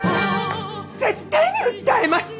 絶対に訴えます！